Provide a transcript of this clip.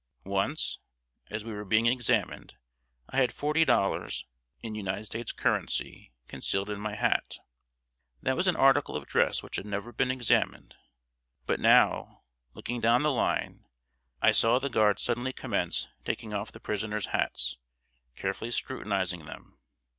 Once, as we were being examined, I had forty dollars, in United States currency, concealed in my hat. That was an article of dress which had never been examined. But now, looking down the line, I saw the guard suddenly commence taking off the prisoners' hats, carefully scrutinizing them.